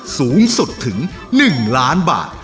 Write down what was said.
สูงสุดถึง๑ล้านบาท